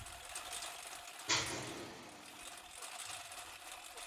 هر کال یو میلیون لویان د کاري سرغړونو له امله زندان ته اچول کېدل